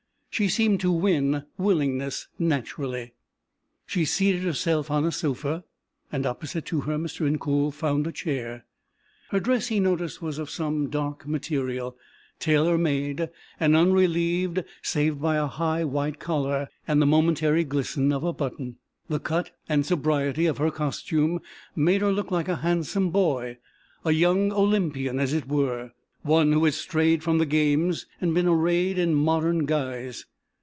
She seemed to win willingness naturally. She seated herself on a sofa, and opposite to her Mr. Incoul found a chair. Her dress he noticed was of some dark material, tailor made, and unrelieved save by a high white collar and the momentary glisten of a button. The cut and sobriety of her costume made her look like a handsome boy, a young Olympian as it were, one who had strayed from the games and been arrayed in modern guise.